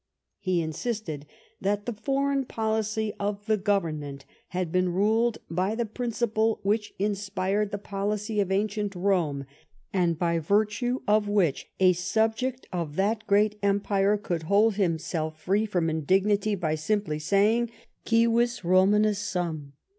He insisted that the foreign policy of the Gov ernment had been ruled by the principle which inspired the policy of ancient Rome, and by virtue of which a subject of that great empire could hold himself free from indignity by simply saying, " Civis Romanus sum."